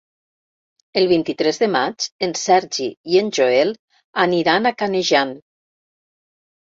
El vint-i-tres de maig en Sergi i en Joel aniran a Canejan.